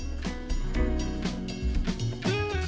pantai selong belanak